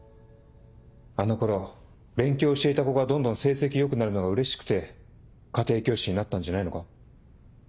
あの頃勉強教えた子がどんどん成績良くなるのがうれしくて家庭教師になったんじゃないのか？